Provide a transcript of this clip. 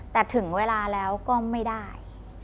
แต่ถึงเวลาแล้วก็ไม่ได้